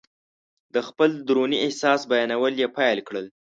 د خپل دروني احساس بیانول یې پیل کړل.